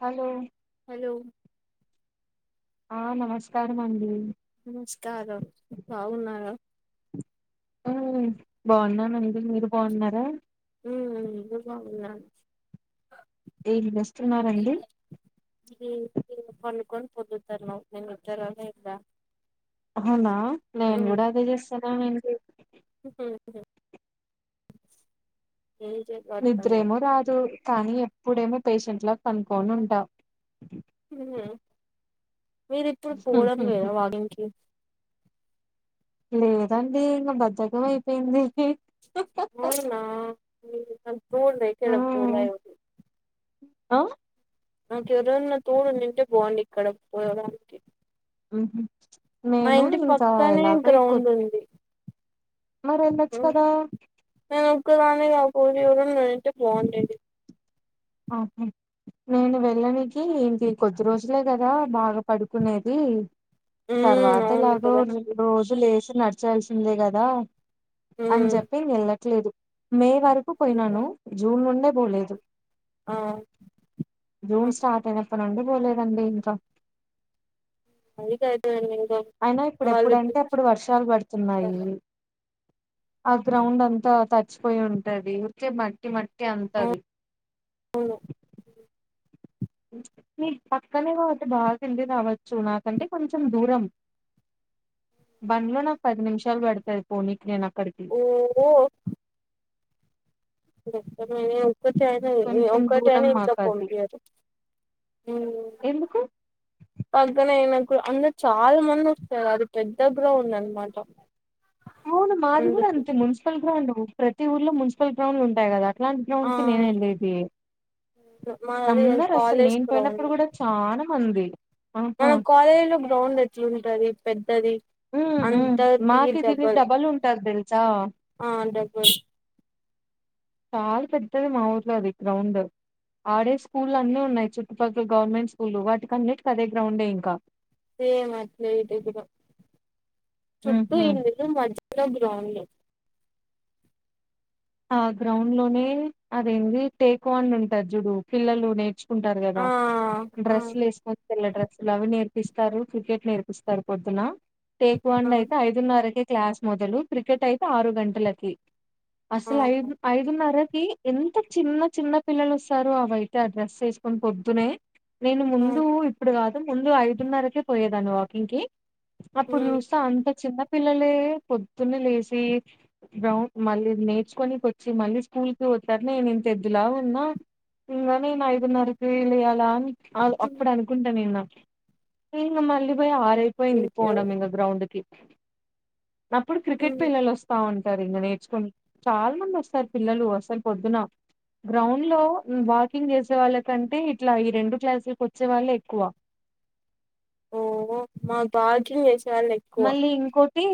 Hello hello ఆ నమస్కారం అండి నమస్కారం బాగున్నారు ఆ బాగున్నానండి మీరు బాగున్నారా ఉ గుడ్ మార్నింగ్ లంచ్ ఏం బెస్ట్ వారండి మీ పనుకొని పొర్లుతనవు నేను నిద్ర లేప్తా అవునా నేను కూడా అదే చేస్తున్నానండి కువైట్ వెల్ ఏజే నిద్రేమో రాదు కానీ ఎప్పుడేమో పేషంట్ల పనుకొని ఉంటా ఉ మీరూ ఇప్పుడు పోవడం లేదా వాకింగ్ కి లేదండి ఇంకా బద్దకం అయిపోయింది అవునా ఉమ్ పోండి అయితే రేపు పోలేగ అ నాకు ఎవరన్నా తోడు ఉండుంటే బాండు ఇక్కడ పోవడానికి ఉ మా నేను ఇంటి ఇంకా పక్కనే ఎలాగో ఈ గ్రౌండ్ కొత్ ఉంది మరి వెళ్లొచ్చు ఉమ్ కదా నేను ఒక్కదాన్నే కాపోతే ఎవరైనా ఉంటే బావుండేది ఆవ్ నెయ్ నేను వెళ్ళనికి ఇంకి కొద్ది రోజులే కదా బాగా పడుకునేది ఉమ్ తర్వాత అవును ఎలాగో కదా రోజు లేసి నడచాల్సిందే కదా అని ఉమ్ జేప్పి వెళ్ళట్లేదు మే వరకు పోయినాను జూన్ నుండే పోలేదు ఆ జూన్ స్టార్ట్ అయినప్పడు నుండి పోలేదండి ఇంకా అది కరెక్టేనండి ఇంగ అయినా ఇప్పుడు ఎప్పుడంటే అప్పుడు వర్షాలు పడుతున్నాయి పిలిచారు ఆ గ్రౌండ్ అంతా తడిచిపోయి ఉంటది ఊరికే మట్టి మట్టి అంతది అవున మీరు పక్కనే కాబట్టి బాగా తిరిగి రావచ్చు నాకంటే కొంచెం దూరం బండ్లో నాకు పది నిమిషాలు పడతది పోనీకి నేను అక్కడికి ఓహో ఒక్కటయిని ఒక్కటయితే కొంచెం ఒక్కటే దూరం అని ఇంట్లో మాకు అది పంపియ్యరు ఏమి ఎందుకు పక్కన ఆయనకు అంద చాలా మంది వస్తారు అది పెద్ద గ్రౌండ్ అనమాట అవును మాది కూడా అంతే మున్సిపల్ గ్రౌండ్ ప్రతి ఊర్లో మున్సిపల్ గ్రౌండ్ ఉంటాయి కదా అట్లాంటి ఆ గ్రాండ్కి నేను వెళ్ళేది మాది అందరు అసలు కాలేజ్ నేను గ్రౌండ్ పోయినప్పుడు కూడా చాన మంది ఆహా మన కాలేజ్లో గ్రౌండ్ ఎట్లుంటది పెద్దది మ్ ఉ మాకు దీనికి డబల్ ఉంటది తెలుసా ఆ డబల్ చాలా పెద్దది మా ఊర్లో అది గ్రౌండ్ ఆడే స్కూళ్లు అన్నీ ఉన్నాయి చుట్టుపక్కల గవర్నమెంట్ స్కూల్లు వాటికన్నిటికి అదే గ్రౌండే ఇంక సేమ్ అట్లే ఇది కూడా చుట్టూ ఊహూ ఇల్లులు మధ్యలో గ్రౌండ్ ఆ గ్రౌండ్లోనే అదేంది టేక్వాన్ ఉంటది చుడు పిల్లలు నేర్చు కుంటార్ కదా ఆ ఆ డ్రెస్సులు ఎస్కొని పిల్ల డ్రెస్ లవ్ నేర్పిస్తారు క్రికెట్ నేర్పిస్తారు పొద్దున టేక్ వన్ ఆ అయితే ఐదు ఐదున్నరకే క్లాస్ మొదలు క్రికెట్ అయితే ఆరు గంటలకి ఆ అసలు ఐదు ఐదున్నరకి ఎంత చిన్న చిన్న పిల్లలు వస్తారు అవైట ఆ డ్రెస్ వేసుకొని పొద్దునే నేను ముందు ఇప్పుడు కాదు ముందు ఐదున్నరకే పోయేదాన్ని వాకింగ్కి అప్పుడు ఆ చూస్తే అంత చిన్న పిల్లలే పొద్దున్న లేచి గ్రౌ మళ్ళీ నేర్చుకోనికి వచ్చి మళ్ళీ స్కూల్కి పోతారు నేను ఇంత ఎద్దులావున్నా ఇంగ నేను ఐదున్నరకి లేయలా అ అప్పుడు అనుకుంట నిన్న ఇంగ మళ్ళీ పోయి ఆరైపోయింది అయ్యో పోవడం ఇంగ గ్రౌండ్కి అప్పుడు క్రికెట్ పిల్లలు వస్తా ఉంటరు ఇంక నేర్చుకుని చాలా మంది వస్తారు పిల్లలు అసలు పొద్దున గ్రౌండ్లో వాకింగ్ చేసే వాళ్ళకంటే ఇట్లా ఈ రెండు క్లాసులకు వచ్చే వాళ్ళే ఎక్కువ ఓహో మాకు పార్కింగ్ చేసే వాళ్ళే ఎక్ మళ్ళీ ఇంకోటి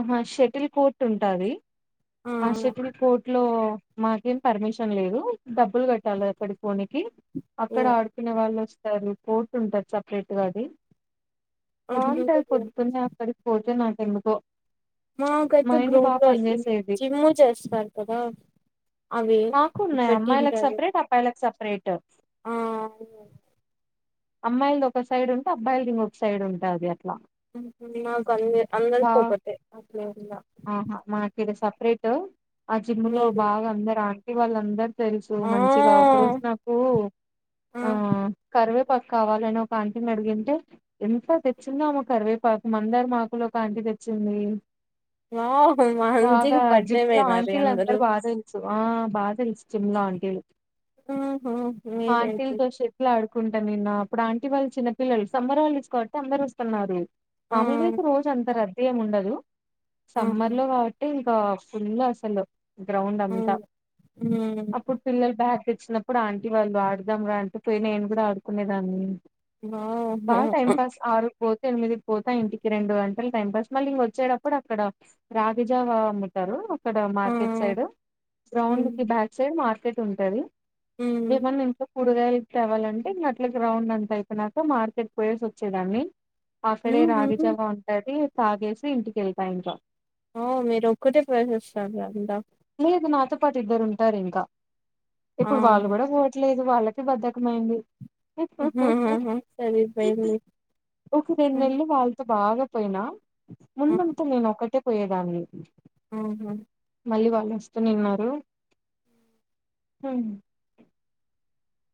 ఆ షటిల్ కోర్ట్ ఉంటది ఆ షెటిల్ కోర్టు లో మాకేం పర్మిషన్ లేదు డబ్బులు కట్టాలి అక్కడికి పోనీకి అక్కడ ఆడుకునే వాళ్ళు వస్తారు కోర్టు ఉంటది సపరేట్గా అది అట్లుంటే బాగుంటాది పొద్దునే అక్కడికి పోతే నాకెందుకో మాకైతే మైండ్ గ్రౌండ్ బాగా లో ఇవి పనిచేసేది జిమ్ చేస్తారు కదా అవి మాకు ఉన్నాయి అమ్మాయిలకు పెట్టింటారు సెపరేట్ అబ్బాయిలకు సెపరేట్ ఆ అవును అమ్మాయిలది ఒక సైడ్ ఉంటే అబ్బాయిలది ఇంకొక సైడ్ ఉంటది అట్లా నాకు అంద బా అందరికి ఒకటే అట్లా ఆహా మనకి ఇది సెపరేట్ ఆ జిమ్ లో మీరు బాగా అందరు ఆంటీ వాళ్ళందరు తెలుసు ఆ మంచిగా ఒక రోజు నాకు ఆ కరివే కరువేపాకు కావాలని ఒక ఆంటీ నీ అడిగింటే ఎంత తెచ్చిందో ఆమె కరివేపాకు మందారమాకులు ఒక ఆంటీ తెచ్చింది వావ్ మా బాగా జిమ్లా ఆంటీలు అందరూ పాసిం ఆ బాగా ఇష్టంలో ఆంటీలు ఆహా మీరైతే ఆంటీల్తో షె సెటిల్ ఇట్లాడుకుంటా నేను అప్పుడు ఆంటీ వాళ్ళు చిన్న పిల్లలు సమ్మర్ హాలిడేస్ కాబట్టి అందరు వస్తున్నారు ఆ మామూలుగా అయితే రోజు అంత రద్దీ ఏమ్ ఉండదు ఆహా సమ్మర్ లో కాబట్టి ఇంకా ఫుల్ అసలు గ్రౌండ్ అంతా అవును ఉమ్, అప్పుడు పిల్లల బ్యాగ్ తెచ్చినప్పుడు ఆంటీ వాళ్ళు ఆడదాం రా అంటే పోయి నేను కూడా ఆడుకునేదాన్ని వావ్ బా టైమ్ పాస్ ఆరుకు పోత ఎనిమిది పోతా ఇంటికి రెండు గంటలు టైం పాస్ మళ్ళీ ఇంగ వచ్చేటప్పుడు ఇక్కడ రాగిజావా అమ్ముతారు అక్కడ ఆ మార్కెట్ సైడ్ గ్రౌండ్ హ్మ్ కి బ్యాక్ ఇటు సైడ్ మార్కెట్ ఉంటది హ్మ్ ఏమన్నా ఇంకా మూడు వేలు తేవాలంటే అట్లకి రౌండ్ అంత అయిపోనాక మార్కెట్ పోయేసి వచ్చేదాన్ని అక్కడే రాగి ఊహూ జావా ఉంటది తాగేసి ఇంటికేళ్తా ఇంకా ఓ మీరు ఒక్కటే ప్రసిస్తారుంతా లేదు నాతో పాటు ఇద్దరు ఉంటారు ఇంకా ఇప్పుడు వాళ్ళు ఆహా! కూడా పోవట్లేదు వాళ్ళకి బద్దకమైంది ఆహాహాహా! సరిపోయింది. ఒక రెండు హ్మ్. నెలలు వాళ్లతో బాగా పోయినా ఆ! ముందంత నేను ఒక్కటే పోయేదాన్ని ఆహ మళ్ళీ వాళ్ళు వస్తూనేనున్నారు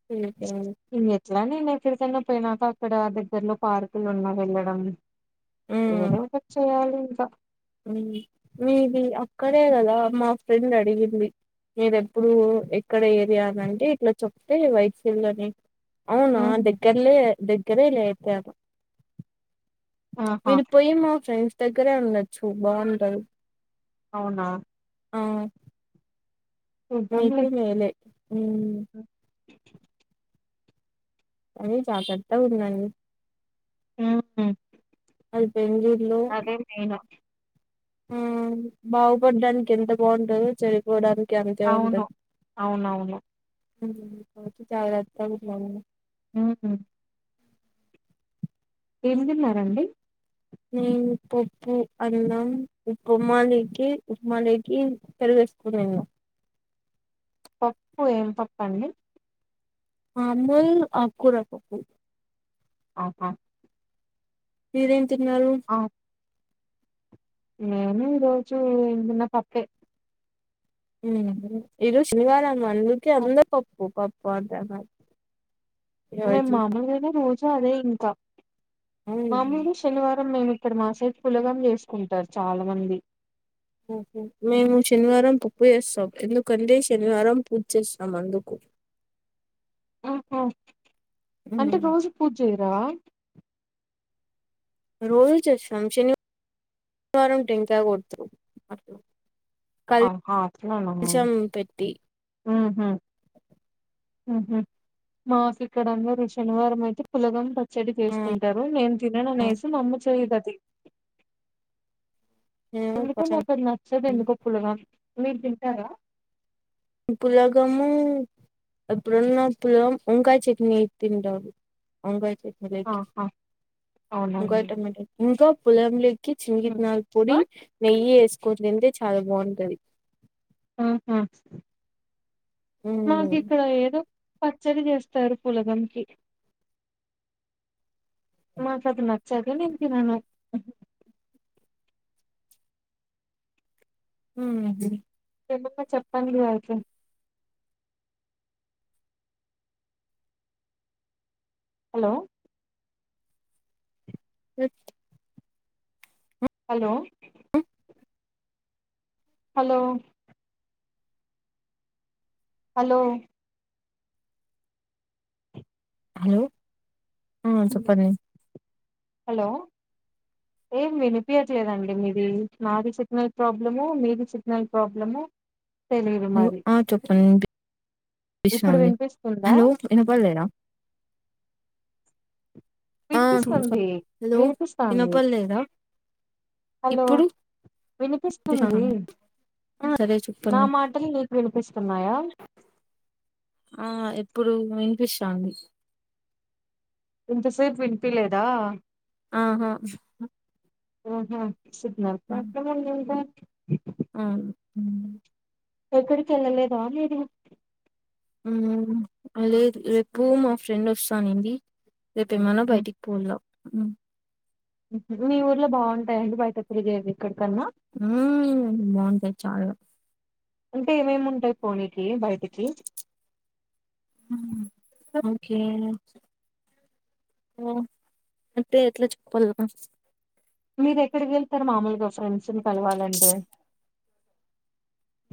సరిపోయింది. ఇంక ఎట్లా నేను ఎక్కడికైనా పోయినాక అక్కడ దగ్గరలో పార్కులు ఉన్నా వెళ్ళడం హ్మ్. ఏదోకటి చేయాలింక మీది అక్కడే కదా మా ఫ్రెండ్ అడిగింది మీరేప్పుడు ఎక్కడ ఏరియానంటే ఇట్లా చెప్తే వైసల్ని లోని అవునా దగ్గరలే దగ్గరే లే అయితే ఆహా వినిపోయి మా ఫ్రెండ్స్ దగ్గరే ఉండొచ్చు బాగుంటది అవునా అ చూద్దాంలే మీకు లేవులే కానీ జాగ్రత్తగా ఉందండి హ్మ్ మీరు బెంగుళూరులో నేను ఆ బాగుపడ్డానికి ఎంత బాగుంటందో చరి డానికికి అంతే అవును ఉంటది అవునవును హ్మ్ జాగ్రత్తగా ఉండమను హ్మ్ ఏం తిన్నారండి హ్మ్. పప్పు అన్నం ఉప్పమాలకి ఉప్మాలోకి పెరుగేసుకోని తిన్న పప్పు ఏం పప్పు అండి మాముల్ ఆకుకూర పప్పు ఆహా మీరేం తిన్నారు ఆక్ మేము ఈ రోజు నిన్న పప్పే ఇది శనివారం అందుకి అందుకే పప్పు పప్పు అంటన్నారు ఇలా మామూలుగానే రోజూ అదే ఇంకా మామూలు ఉమ్, డిష్ శనివారం మేము ఇక్కడ మా సైడ్ పులగం చేసుకుంటారు చాలా మంది మేము శనివారం పప్పు చేస్తాం ఎందుకంటే శనివారం పూజ చేస్తాం అందుకు ఆహా అంటే ఉమ్, రోజు పూజజేయరా రోజు చేస్తాం శనివారం శనివారం టెంకాయ కొడుతురు కల్ ఆహా శం పెట్టి ఊహూ ఊహూ మాకు ఇక్కడ అందరూ శనివారం అయితే పులగం పెడ్ చెడి ఆ తీసుకుంటారు నేను తిననునేసి మా అమ్మ చేయదు అది ఏమో ఎందుకో నా కొంచెం కది నచ్చదు ఎందుకో పులగం మీరు తింటారా పులగము ఎప్పుడున్న పులగం ఇంకా చట్నీ తింటాడు వంక్కాయ్ చట్నీలోకి ఆహా వంకాయ అవునండి టమాట ఇంకా పులగం లోకి చిన్న ఉమ్. ఆ కారప్పొడి నెయ్యి వేసుకొని తింటే చాలా బాగుంటది ఆహా ఉహు మాకు ఇక్కడ ఏదో పచ్చడి వెస్తారు పులగంకి నాకు అది నచ్చ నచ్చదు నేను తినను ఊహూ చెల్లి తో చెప్పండి అయితే హలో ఎట్ హలో హలో హలో హలో అ చెప్పండి హలో ఏం వినిపియట్లేదండి మీది నాది సిగ్నల్ ప్రాబ్లమో మీది సిగ్నల్ ప్రాబ్లమో హలో అ చెప్పండి విన్ ఇప్పుడు వినిపిస్తాంది వినిపిస్తుందా హలో వినపడలేదా ఆ వినిపిస్తుంది హలో వినిపిస్తంది. వినపడలేదా హలో ఇప్పుడు వినిపిస్తుంది ఆ రెరేచు నా మాటలు నీకు వినిపిస్తున్నాయా ఆ ఇప్పుడూ వినిపిస్తోంది. ఇంతసేపు వినిపిలేదా. ఆహా ఆహా సిగ్నల్ క్యారెట్గా లేదా ఆ ఎక్కడికి వెళ్ళలేదా మీరు ము లేదు రేపు మా ఫ్రెండ్ వస్తానంది రేపేమన్న ఉమ్, బయటికి పోల్లా మీ ఊర్లో బాగుంటాయండి బయట తిరిగేవి ఇక్కడికన్నా ఉ బాగుంటాయి చాల అంటే ఏమేమి ఉంటాయి పోనీకి బయటికి ము ఓకే ఓ అంటే ఎట్ల్ చెప్పల్ గా మీరు ఎక్కడికి వెళ్తారు మామూలుగా ఫ్రెండ్స్ ని కలవాలంటె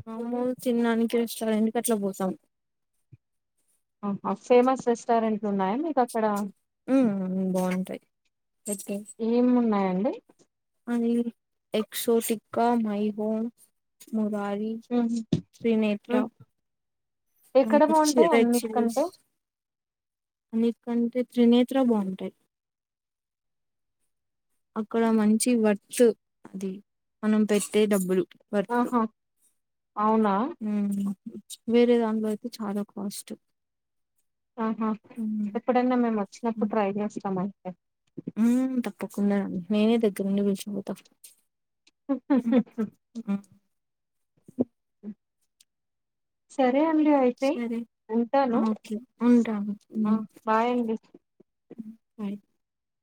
మాములుగా తిన్నానికి రెస్టారెంట్కి అట్లా పోతాం అహ ఫేమస్ రెస్టారెంట్లు ఉన్నాయా మీకు అక్కడా ము బాగుంటాయి. [unintelligible] ఏమి ఉన్నాయండి అని ఎక్సవోటికా మైహోమ్ మురారి మ్ త్రినేత్ర, ము హ్మ్. ఎక్కడ చి బావుంటాయి రెడ్ అన్నిటికంటే అన్నిటి కంటే త్రినేత్ర బావుంటాయి అక్కడ మంచి వర్త్ అది మనం పెట్టే డబ్బులు ఆహా అవునా ముహు వేరే దాంన్లో అయితే చాలా కాస్ట్ ఆహా ఉమ్. ఎప్పుడైనా మేము వచ్చినప్పుడు ట్రై చేస్తాం అయితే మ్ తప్పకుండా నేనే దగ్గరుండి తీసుకుపోతా [inaudible] సరే అండి అయితే సరే ఉంటాను ఓకే ఉంటాను ఆ మ్ బాయ్ అండి బాయ్